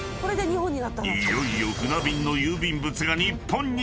［いよいよ船便の郵便物が］